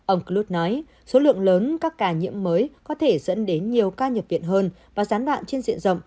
ông chlut nói số lượng lớn các ca nhiễm mới có thể dẫn đến nhiều ca nhập viện hơn và gián đoạn trên diện rộng